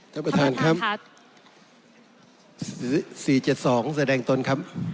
ท่านประธานครับสี่เจ็ดสองแสดงตนครับ